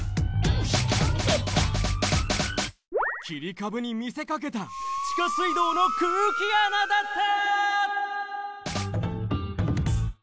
切り株にみせかけた地下水道の空気穴だった！